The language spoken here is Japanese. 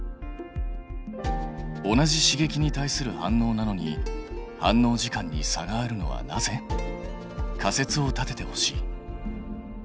同じ刺激に対する反応なのに反応時間に差があるのはなぜ？仮説を立ててほしい。